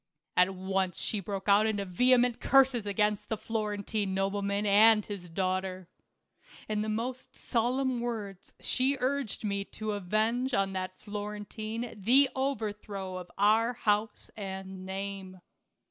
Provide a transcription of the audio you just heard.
At once she broke out into vehement curses against the Florentine nobleman and his daughter. In the most solemn words she urged me to avenge on that Florentine the overthrow of our house arid name.